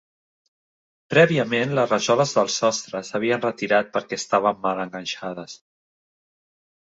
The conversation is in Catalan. Prèviament les rajoles del sostre s'havien retirat perquè estaven mal enganxades.